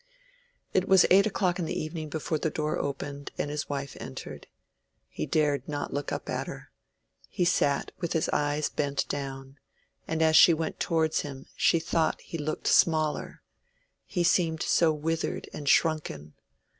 It was eight o'clock in the evening before the door opened and his wife entered. He dared not look up at her. He sat with his eyes bent down, and as she went towards him she thought he looked smaller—he seemed so withered and shrunken.